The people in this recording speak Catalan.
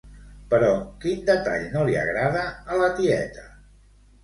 Però, quin detall no li agrada a la tieta?